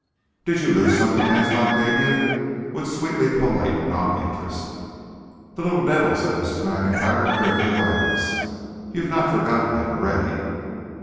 "Did you lose something? asked Octavia, with sweetly polite non interest. "The little devil!" said Mrs. Maclntyre, driven to violence. "Ye've no forgotten him alretty?"